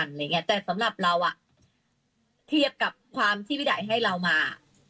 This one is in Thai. อะไรอย่างเงี้ยแต่สำหรับเราอ่ะเทียบกับความที่พี่ไดให้เรามา